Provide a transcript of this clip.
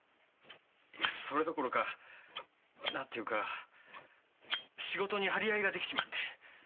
それどころか何て言うか仕事に張り合いができた。